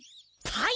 はい。